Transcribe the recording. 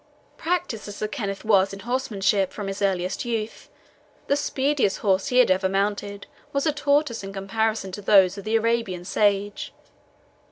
Practised as Sir Kenneth was in horsemanship from his earliest youth, the speediest horse he had ever mounted was a tortoise in comparison to those of the Arabian sage.